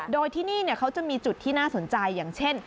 โดยที่นี่เขาจะมีจุดที่น่าสนใจอย่างเช่น